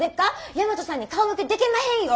大和さんに顔向けできまへんよ！